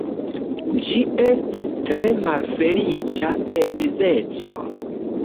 Ĝi estis tre malfeliĉa edzeco.